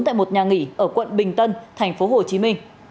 tại một nhà nghỉ ở quận bình tân tp hcm